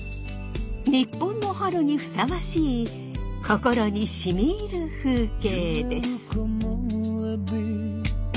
日本の春にふさわしい心に染み入る風景です。